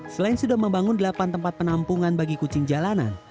selain sudah membangun delapan tempat penampungan bagi kucing jalanan